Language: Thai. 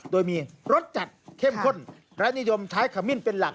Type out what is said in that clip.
โดยมีรสจัดเข้มข้นและนิยมใช้ขมิ้นเป็นหลัก